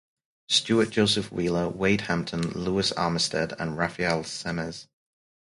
Stuart, Joseph Wheeler, Wade Hampton, Lewis Armistead, and Raphael Semmes.